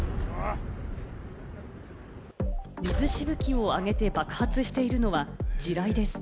水しぶきを上げて爆発しているのは地雷です。